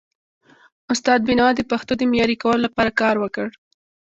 استاد بینوا د پښتو د معیاري کولو لپاره کار وکړ.